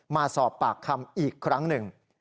มาสอบปากคำอีกครั้งหนึ่ง